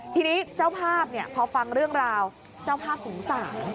ทีนี้เจ้าภาพพอฟังเรื่องราวเจ้าภาพสงสาร